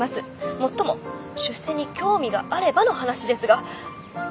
もっとも出世に興味があればの話ですが。